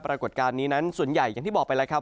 ปรากฏการณ์นี้นั้นส่วนใหญ่อย่างที่บอกไปแล้วครับ